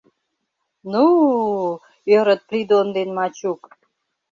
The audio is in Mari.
— Ну-у?! — ӧрыт Придон ден Мачук.